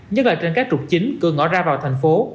nhất là trên các trục chính cửa ngõ ra vào thành phố